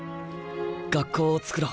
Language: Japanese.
学校をつくろう。